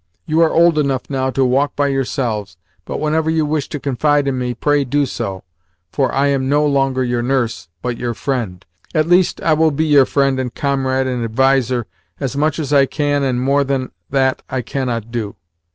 You are old enough now to walk by yourselves, but, whenever you wish to confide in me, pray do so, for I am no longer your nurse, but your friend. At least, I will be your friend and comrade and adviser as much as I can and more than that I cannot do.